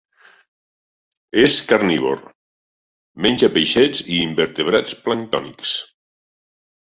És carnívor: menja peixets i invertebrats planctònics.